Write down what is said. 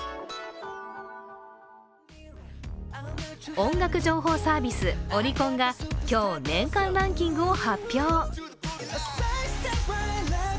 音楽情報サービス、オリコンが今日、年間ランキングを発表。